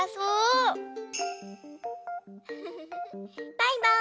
バイバーイ。